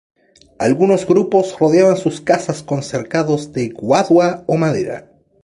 Algunos grupos rodeaban sus casas con cercados de guadua o madera.